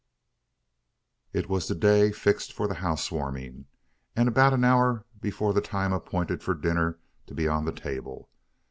It was the day fixed for the "house warming," and about an hour before the time appointed for dinner to be on the table.